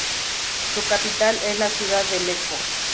Su capital es la ciudad de Lecco.